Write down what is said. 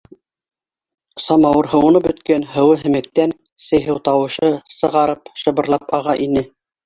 Самауыр һыуынып бөткән, һыуы һемәктән сей һыу тауышы сығарып шыбырлап аға ине.